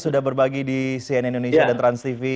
sudah berbagi di cnn indonesia dan transtv